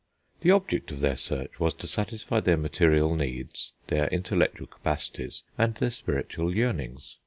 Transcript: The object of their search was to satisfy their material needs, their intellectual capacities, and their spiritual yearnings.